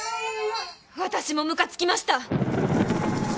私もむかつきました！